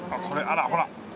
あらほら。